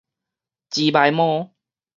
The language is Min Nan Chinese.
膣屄毛